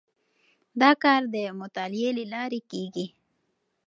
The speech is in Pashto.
دا کار د مطالعې له لارې کیږي.